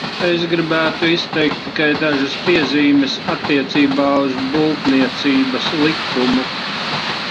Es gribētu izteikt tikai dažas piezīmes attiecībā uz Būvniecības likumu.